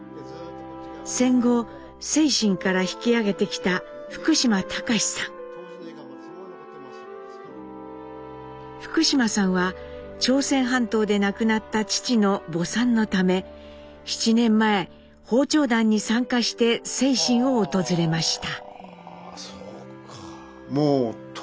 戦後清津から引き揚げてきた福島さんは朝鮮半島で亡くなった父の墓参のため７年前訪朝団に参加して清津を訪れました。